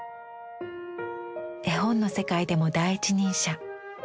絵本の世界でも第一人者。